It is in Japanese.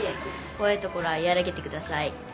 こわいところはやわらげてください。